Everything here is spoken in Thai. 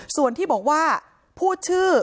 ส่วนที่บอกว่าพูดชื่อ